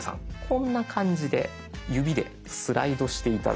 こんな感じで指でスライドして頂くと。